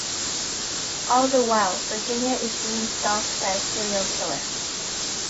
All the while Virginia is being stalked by a serial killer.